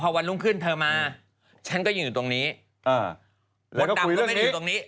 แล้วคุณจะเอาอันนี้มาปิดอย่างนี้